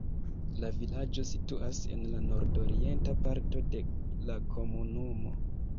La vilaĝo situas en la nordorienta parto de la komunumo.